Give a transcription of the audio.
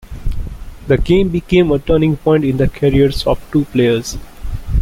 The game became a turning point in the careers of two players.